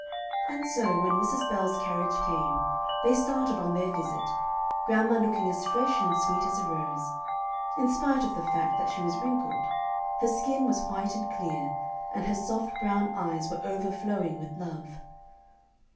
And so, when Mrs. Bell's carriage came, they started on their visit, grandma looking as fresh and sweet as a rose. In spite of the fact that she was wrinkled, her skin was white and clear, and her soft brown eyes were overflowing with love.